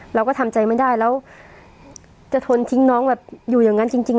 เราก็ทำใจไม่ได้แล้วจะทนทิ้งน้องแบบอยู่อย่างนั้นจริง